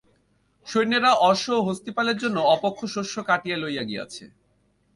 সৈন্যেরা অশ্ব ও হস্তিপালের জন্য অপক্ক শস্য কাটিয়া লইয়া গিয়াছে।